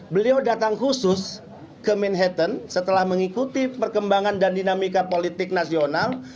beliau datang khusus ke manhattan setelah mengikuti perkembangan dan dinamika politik nasional